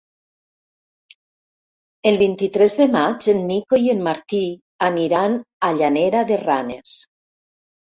El vint-i-tres de maig en Nico i en Martí aniran a Llanera de Ranes.